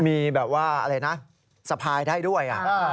มีแบบว่าอะไรนะสะพายได้ด้วย